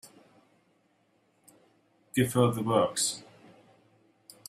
Give her the works.